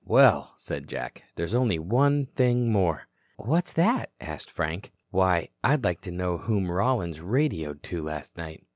"Well," said Jack, "there's only one thing more." "What is that?" asked Frank. "Why, I'd like to know whom Rollins radioed to last night."